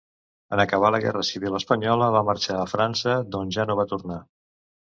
En acabar la guerra civil espanyola va marxar a França, d'on ja no va tornar.